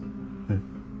えっ？